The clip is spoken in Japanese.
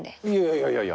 いやいやいや。